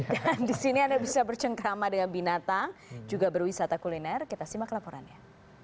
dan di sini anda bisa bercengkrama dengan binatang juga berwisata kuliner kita simak laporannya